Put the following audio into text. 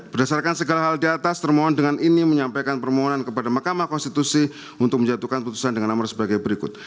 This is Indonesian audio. berdasarkan segala hal di atas termohon dengan ini menyampaikan permohonan kepada mahkamah konstitusi untuk menjatuhkan putusan dengan nomor sebagai berikut